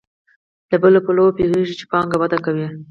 له بل پلوه پوهېږو چې پانګه وده کوي